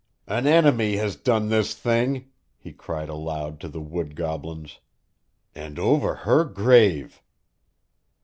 "An enemy has done this thing," he cried aloud to the wood goblins. "And over her grave!"